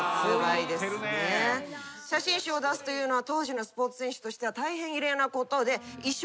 写真集を出すというのは当時のスポーツ選手としては大変異例なことで。